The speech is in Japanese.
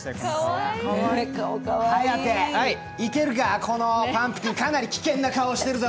颯、いけるか、このパンプキン、危険な顔してるぞ！